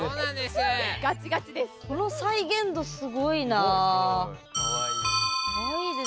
この再現度、すごいな。